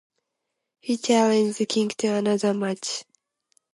He challenged King to another match.